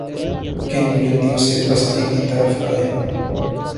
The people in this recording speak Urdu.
کن بلندیوں سے پستی کی طرف آئے۔